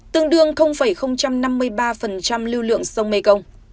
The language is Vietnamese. tương đương năm mươi ba lưu lượng sông mekong